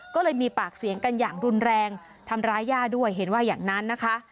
ก็เลยมีปากเสียงกันอย่างรุนแรงทำร้ายย่าด้วยเห็นว่าอย่างนั้นนะคะ